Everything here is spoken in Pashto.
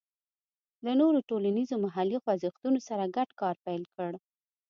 له نورو ټولنیزو محلي خوځښتونو سره ګډ کار پیل کړ.